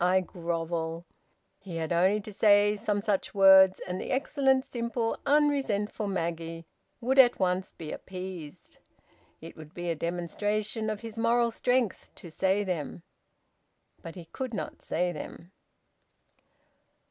I grovel!" He had only to say some such words, and the excellent, simple, unresentful Maggie would at once be appeased. It would be a demonstration of his moral strength to say them. But he could not say them.